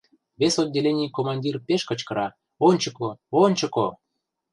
Вес отделений командир пеш кычкыра: «Ончыко, ончыко!»